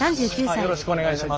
よろしくお願いします。